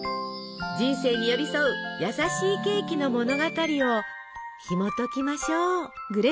人生に寄り添う優しいケーキの物語をひもときましょう。